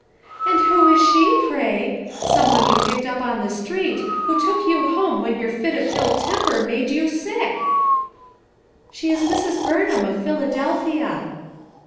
"And who is she, pray? Some one you picked up on the street, who took you home when your fit of ill temper made you sick. 5 ' "She is Mrs. Burnham, of Philadelphia."